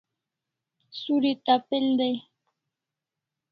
Suri tap'el dai